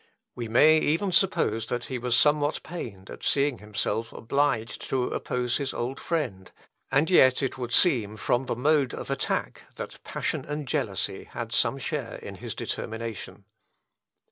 We may even suppose that he was somewhat pained at seeing himself obliged to oppose his old friend, and yet it would seem, from the mode of attack, that passion and jealousy had some share in his determination.